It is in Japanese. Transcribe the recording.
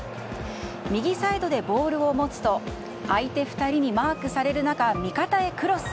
右サイドでボールを持つと相手２人にマークされる中味方へクロス。